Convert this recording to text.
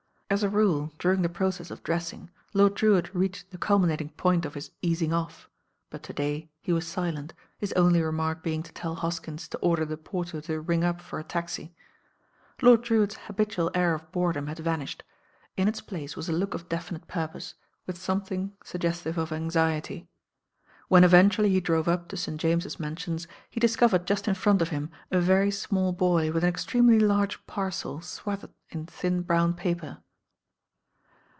As a rule, during the proc ess of dressing, Lord Drewitt reached the culminat wg point of his "easing off"; but to^lay he was si lent, his only remark being to tell Hoskins to order the porter to ring up for a taxi. Lord Drcwitt's habitual air of boredom had van ished. In Its place was a look of definite purpose, with something suggestive of anxiety. , When eventually he drove up to St. James's Man sions, he discovered just in front of him a very smaU boy with an extremely large parcel swathed in thin brown paper.